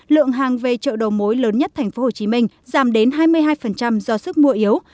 lượng hàng về chợ đầu mối lớn nhất tp hcm giảm đến hai mươi hai do sức mua yếu